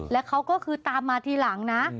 แล้วเขาก็คือตามมาทีหลังนะ